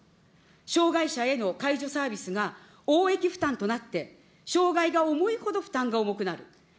障害者への介助サービスが応益負担となって、障害が重いほど負担が重くなる。